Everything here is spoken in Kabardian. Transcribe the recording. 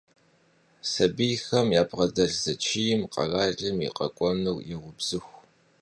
Сабийхэм ябгъэдэлъ зэчийм къэралым и къэкӀуэнур еубзыху.